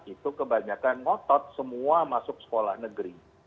itu kebanyakan ngotot semua masuk sekolah negeri